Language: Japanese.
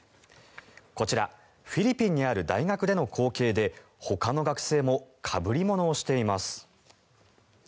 こちら、フィリピンにある大学での光景でほかの学生もかぶり物をしています。